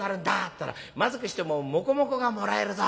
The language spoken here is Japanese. ったら『まずくしてももこもこがもらえるぞ』。